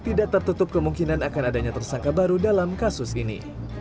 tidak tertutup kemungkinan akan adanya tersangka baru dalam kasus ini